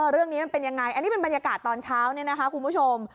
เรื่องนี้มันเป็นยังไงอันนี้เป็นบรรยากาศตอนเช้าเนี่ยนะคะคุณผู้ชม